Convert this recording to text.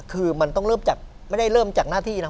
คือมันต้องเริ่มจากไม่ได้เริ่มจากหน้าที่นะ